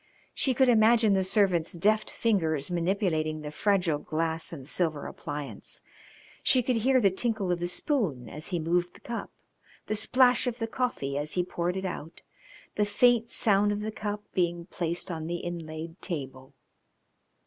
She could imagine the servant's deft fingers manipulating the fragile glass and silver appliance. She could hear the tinkle of the spoon as he moved the cup, the splash of the coffee as he poured it out, the faint sound of the cup being placed on the inlaid table.